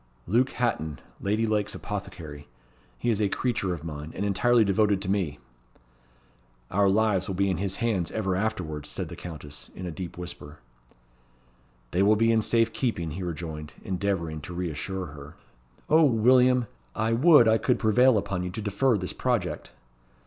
"Luke Hatton, Lady Lake's apothecary. He is a creature of mine, and entirely devoted to me." "Our lives will be in his hands ever afterwards," said the Countess, in a deep whisper. "They will be in safe keeping," he rejoined, endeavouring to reassure her. "O, William! I would I could prevail upon you to defer this project."